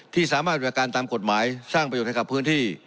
ที่สามารถบริการตามกฎหมายสร้างประโยชน์ให้กับพื้นที่